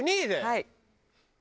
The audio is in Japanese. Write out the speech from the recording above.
はい。